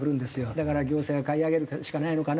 だから行政が買い上げるしかないのかな。